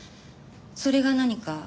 それが何か？